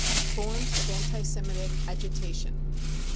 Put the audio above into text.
Forms of anti Semitic agitation.